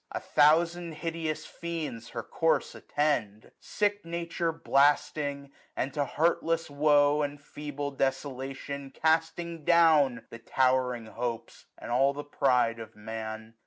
1035 A thousand hideous fiends her course attend ; Sick Nature blasting, and to heartless woe. And feeble desolation, casting down The towering hopes and all the pride of Man.